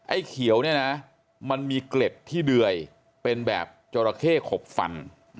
ไอ้เขียวเนี่ยนะมันมีเกล็ดที่เดื่อยเป็นแบบจราเข้ขบฟัน